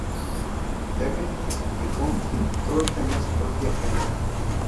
Hackett explicó: "Todos tenían su propia agenda.